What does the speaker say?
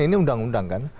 ini undang undang kan